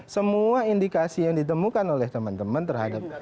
semua indikasi yang ditemukan oleh teman teman terhadap